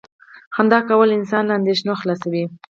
• خندا کول انسان له اندېښنو خلاصوي.